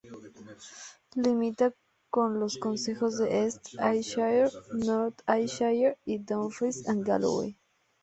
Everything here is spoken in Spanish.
Limita con los concejos de East Ayrshire, North Ayrshire y Dumfries and Galloway.